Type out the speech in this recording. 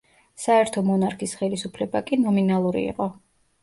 საერთო მონარქის ხელისუფლება კი ნომინალური იყო.